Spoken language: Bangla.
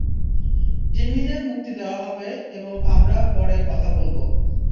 জিম্মিদের মুক্তি দেওয়া হবে, এবং আমরা তার পরে কথা বলবো।